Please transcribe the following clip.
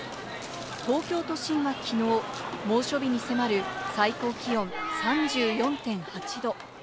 東京都心はきのう、猛暑日に迫る最高気温３４．８度。